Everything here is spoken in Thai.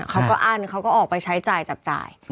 อั้นเขาก็ออกไปใช้จ่ายจับจ่าย